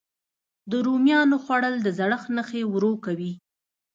د رومیانو خووړل د زړښت نښې ورو کوي.